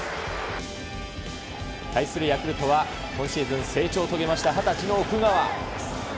対するヤクルトは今シーズン、成長を遂げました２０歳の奥川。